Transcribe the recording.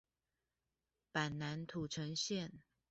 板南土城線